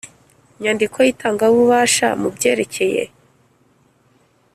Inyandiko y itangabubasha mu byerekeye